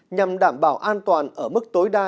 nhằm đảm bảo an toàn ở mức tối đa